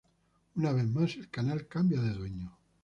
Una vez más, el canal cambia de dueño.